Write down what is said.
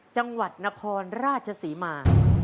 จังหวัดนครราชศรีมา